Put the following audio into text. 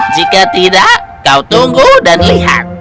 jika tidak kau tunggu dan lihat